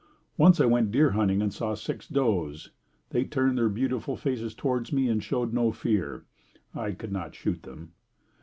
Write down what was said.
Once I went deer hunting and saw six does. They turned their beautiful faces towards me and showed no fear. I could not shoot them.